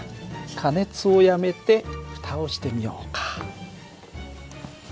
加熱をやめてふたをしてみようか。